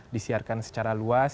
disiarkan secara luas